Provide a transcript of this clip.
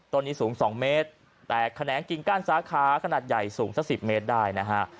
ต้นนี้สูง๒เมตรแตกแขนงกิ่งก้านสาขาขนาดใหญ่สูงสัก๑๐เมตรได้นะฮะ